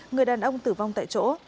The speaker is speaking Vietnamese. người đàn ông tử vong tại chỗ